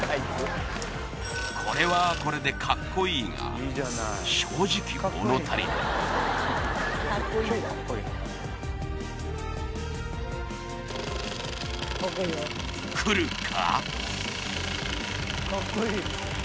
これはこれでカッコいいが正直物足りないくるか？